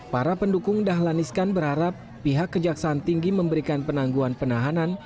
para pendukung dahlan iskan berharap pihak kejaksaan tinggi memberikan penangguhan penahanan